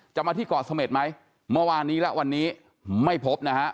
มาที่เกาะเสม็ดไหมเมื่อวานนี้และวันนี้ไม่พบนะฮะ